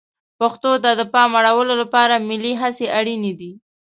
پښتو ته د پام اړولو لپاره ملي هڅې اړینې دي.